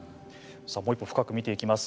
さあ、もう一方深く見ていきます。